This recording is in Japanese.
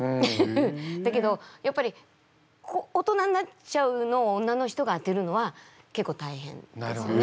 だけどやっぱり大人になっちゃうのを女の人が当てるのは結構大変ですね。